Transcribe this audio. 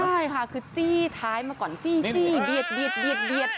ใช่ค่ะคือจี้ท้ายมาก่อนจี้เบียด